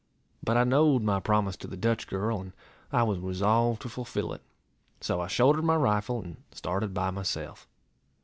But I knowed my promise to the Dutch girl, and I was resolved to fulfil it; so I shouldered my rifle, and started by myself.